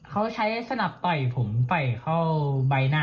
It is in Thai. เขาใช้สนับต่อยผมต่อยเข้าใบหน้า